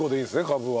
カブは。